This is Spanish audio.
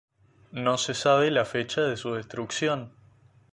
No se sabe la fecha de su destrucción.